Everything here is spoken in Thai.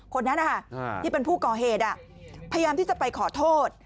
คนนั้นที่เป็นผู้ก่อเหตุพยายามที่จะไปขอโทษ